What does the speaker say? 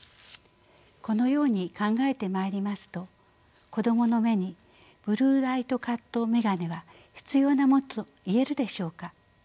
このように考えてまいりますと子どもの目にブルーライトカット眼鏡は必要なものといえるでしょうか？